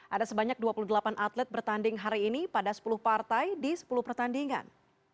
ada sebanyak dua puluh delapan atlet bertanding hari ini pada sepuluh partai di sepuluh pertandingan